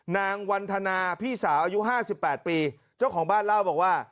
นางวันธนาพี่สาวอายุห้าสิบแปดปีเจ้าของบ้านเล่าบอกว่า